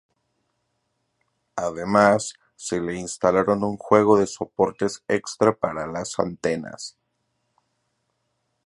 Además se le instalaron un juego de soportes extra para las antenas.